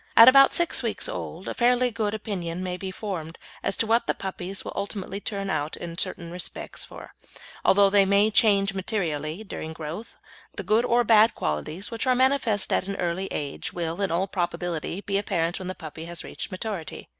At about six weeks old a fairly good opinion may be formed as to what the puppies will ultimately turn out in certain respects, for, although they may change materially during growth, the good or bad qualities which are manifest at that early age will, in all probability, be apparent when the puppy has reached maturity.